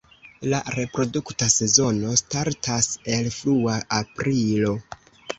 La reprodukta sezono startas el frua aprilo.